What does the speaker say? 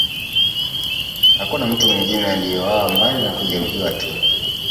Hakuna mtu mwingine aliyeuawa mbali na kujeruhiwa tu